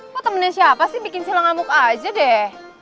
kok temennya siapa sih bikin silah ngamuk aja deh